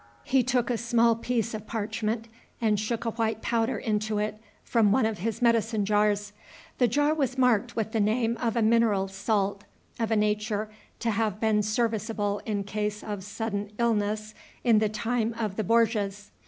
He took a small piece of parchment and shook a white powder into it from one of his medicine jars. The jar was marked with the name of a mineral salt, of a nature to have been serviceable in case of sudden illness in the time of the Borgias.